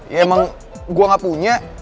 ya emang gue gak punya